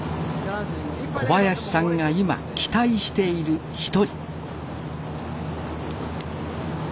小林さんが今期待している一人。